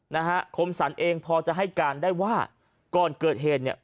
นะฮะคมสรรเองพอจะให้การได้ว่าก่อนเกิดเหตุเนี่ย